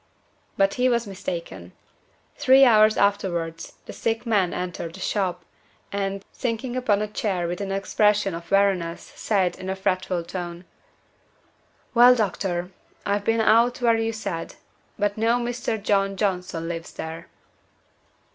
But he was mistaken. Three hours afterwards, the sick man entered the shop, and, sinking upon a chair with an expression of weariness, said, in a fretful tone "Well, doctor, I've been out where you said, but no Mr. John Johnson lives there."